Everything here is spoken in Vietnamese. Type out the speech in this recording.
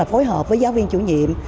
phối hợp với giáo viên chủ nhiệm